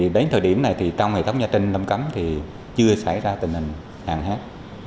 đến thời điểm này trong hệ thống gia trình âm cấm chưa xảy ra tình hình hạn hát